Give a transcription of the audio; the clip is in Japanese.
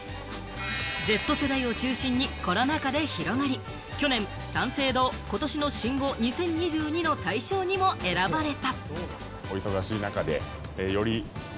Ｚ世代を中心にコロナ禍で広がり、去年、三省堂・今年の新語２０２２の大賞にも選ばれた。